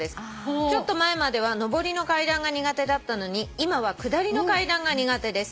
「ちょっと前までは上りの階段が苦手だったのに今は下りの階段が苦手です」